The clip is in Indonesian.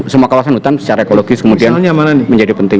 semua kawasan hutan secara ekologis kemudian menjadi penting